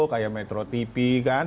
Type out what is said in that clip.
kayak metro tv kan